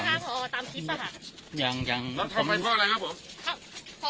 ยังไม่สะดวกอาจให้คำถาม